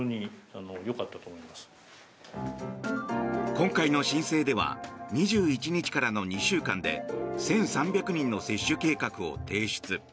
今回の申請では２１日からの２週間で１３００人の接種計画を提出。